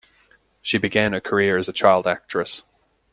She began her career as a child actress.